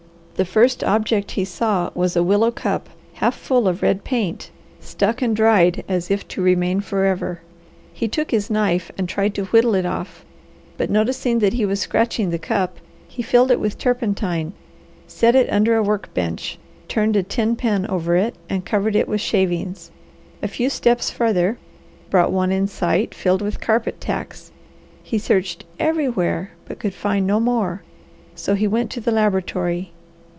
The first object he saw was a willow cup half full of red paint, stuck and dried as if to remain forever. He took his knife and tried to whittle it off, but noticing that he was scratching the cup he filled it with turpentine, set it under a work bench, turned a tin pan over it, and covered it with shavings. A few steps farther brought one in sight, filled with carpet tacks. He searched everywhere, but could find no more, so he went to the laboratory.